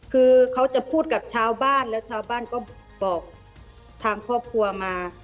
คือเขาจะพูดกับชาวบ้านแล้วชาวบ้านก็บอกทางครอบครัวมา